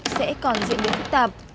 sẽ còn diện đối phức tạp